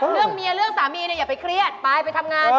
เรื่องเมียเรื่องสามีเนี่ยอย่าไปเครียดไปไปทำงาน